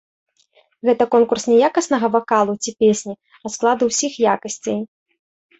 Гэта конкурс не якаснага вакалу ці песні, а складу ўсіх якасцей.